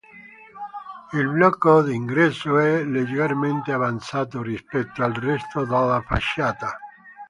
Il blocco d'ingresso è leggermente avanzato rispetto al resto della facciata.